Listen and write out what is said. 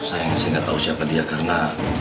sayangnya saya gak tau siapa dia karena